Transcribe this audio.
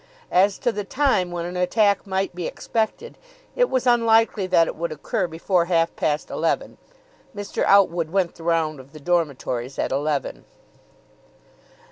As to the time when an attack might be expected, it was unlikely that it would occur before half past eleven. Mr. Outwood went the round of the dormitories at eleven.